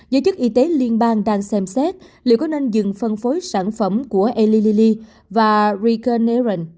giới chức y tế liên bang đang xem xét liệu có nên dừng phân phối sản phẩm của elilili và recurrent